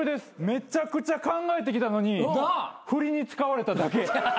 めちゃくちゃ考えてきたのに振りに使われただけ。